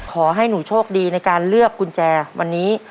ขอให้หนูโชคดีในการเลือกกุญแจวันนี้